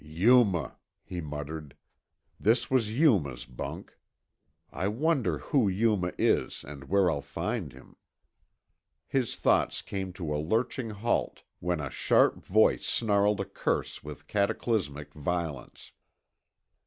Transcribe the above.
"Yuma," he muttered. "This was Yuma's bunk. I wonder who Yuma is and where I'll find him?" His thoughts came to a lurching halt when a sharp voice snarled a curse with cataclysmic violence.